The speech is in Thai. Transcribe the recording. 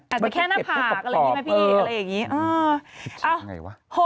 อาจจะแค่หน้าผากอะไรแบบนี้